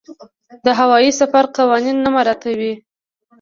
د هوايي سفر قوانین نه مراعاتوي.